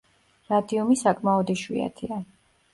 რადიუმი საკმაოდ იშვიათია.